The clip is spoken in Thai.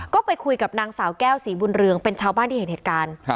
ก็ไปคุยกับนางสาวแก้วศรีบุญเรืองเป็นชาวบ้านที่เห็นเหตุการณ์